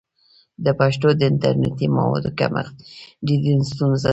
د پښتو د انټرنیټي موادو کمښت جدي ستونزه ده.